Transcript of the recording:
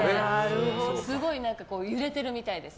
すごい揺れてるみたいです。